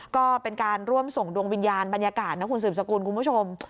ก็เป็นการร่วมส่งดวงวิญญาณบรรยากาศนะคุณสืบสกุลคุณผู้ชม